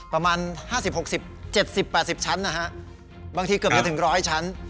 ประมาณ๕๐๖๐๗๐๘๐ชั้นนะฮะบางทีเกือบจะถึง๑๐๐ชั้น